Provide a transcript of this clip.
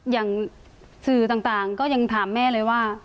อย่างสื่อต่างก็ยังถามแม่เลยว่า